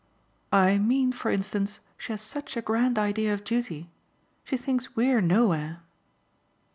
"I mean for instance she has such a grand idea of duty. She thinks we're nowhere!"